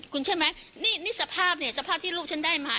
คุณใช่ไหมนี่สภาพที่รูปฉันได้มา